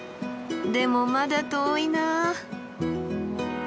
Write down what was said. でもまだ遠いな。